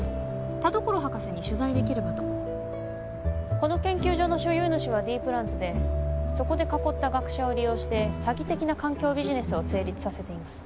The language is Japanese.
田所博士に取材できればとこの研究所の所有主はＤプランズでそこで囲った学者を利用して詐欺的な環境ビジネスを成立させています